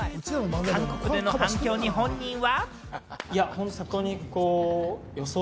韓国での反響に本人は？